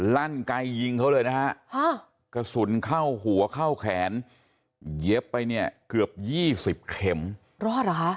ลั่นไกยิงเขาเลยนะฮะกระสุนเข้าหัวเข้าแขนเย็บไปเนี่ยเกือบยี่สิบเข็มรอดเหรอคะ